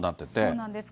そうなんです。